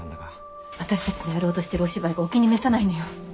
私たちのやろうとしてるお芝居がお気に召さないのよ。